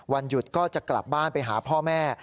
วันหยุดก็จะกลับบ้านไปหาพ่อแม่